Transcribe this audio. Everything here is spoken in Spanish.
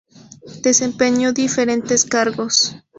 Desempeñó diferentes cargos.